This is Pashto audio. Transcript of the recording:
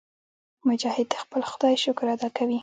مجاهد د خپل خدای شکر ادا کوي.